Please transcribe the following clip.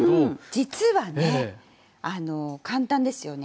実はね簡単ですよね。